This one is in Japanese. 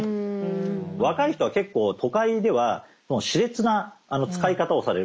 若い人は結構都会ではしれつな使い方をされる。